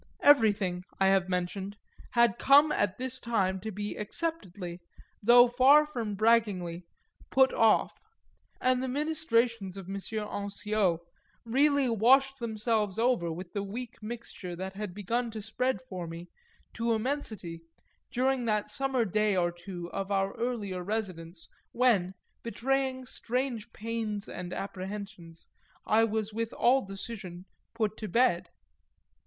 Everything, I have mentioned, had come at this time to be acceptedly, though far from braggingly, put off; and the ministrations of M. Ansiot really wash themselves over with the weak mixture that had begun to spread for me, to immensity, during that summer day or two of our earlier residence when, betraying strange pains and apprehensions, I was with all decision put to bed.